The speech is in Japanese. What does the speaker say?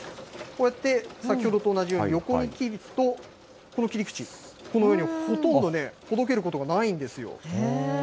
こうやって先ほどと同じように、横に切ると、この切り口、このようにほとんどね、ほどけることがないんですよ。